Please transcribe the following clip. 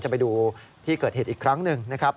ไปดูที่เกิดเหตุอีกครั้งหนึ่งนะครับ